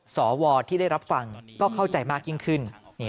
สวที่ได้รับฟังก็เข้าใจมากยิ่งขึ้น